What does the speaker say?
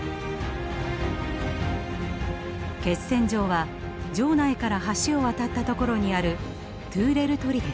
決戦場は城内から橋を渡った所にあるトゥーレル砦でした。